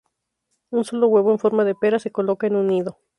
Un solo huevo en forma de pera se coloca en un nido.